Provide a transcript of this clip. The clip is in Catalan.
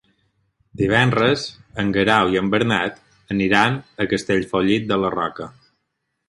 Divendres en Guerau i en Bernat aniran a Castellfollit de la Roca.